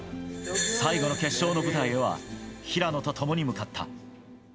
最後の決勝の舞台へは平野と共に向かった。